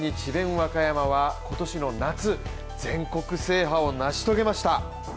和歌山は今年の夏、全国制覇を成し遂げました